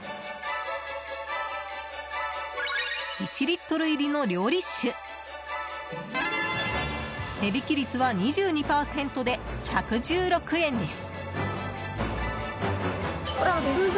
１リットル入りの料理酒値引き率は２２％で１１６円です。